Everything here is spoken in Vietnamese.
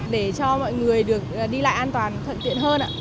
để cho mọi người đi lại an toàn thận tiện hơn